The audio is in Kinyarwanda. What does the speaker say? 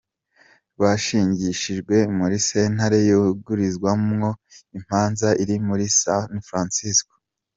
Rwashingishijwe muri sentare yungururizwamwo imanza iri muri San Francisco.